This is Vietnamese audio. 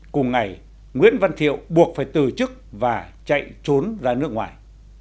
cùng ngày nguyễn văn thiệu buộc phải từ chức và chạy trốn ra nước ngoài